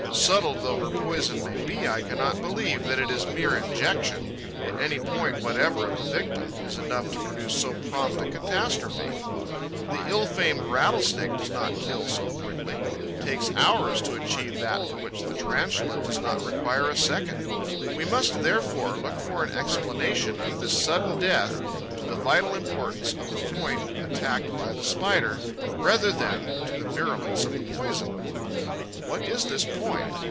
Subtle though her poison may be, I cannot believe that its mere injection, at any point whatever of the victim, is enough to produce so prompt a catastrophe. The ill famed rattlesnake does not kill so quickly, takes hours to achieve that for which the Tarantula does not require a second. We must, therefore, look for an explanation of this sudden death to the vital importance of the point attacked by the Spider, rather than to the virulence of the poison. What is this point?